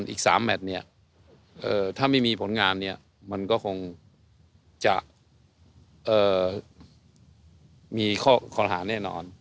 อีก๓แมทเนี่ยถ้าไม่มีผลงานเนี่ยมันก็คงจะมีข้อคอรหาแน่นอน